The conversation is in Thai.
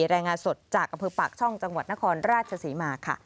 แรงงานสดจากกำพื้นปากช่องจังหวัดนครราชสีมาค่ะ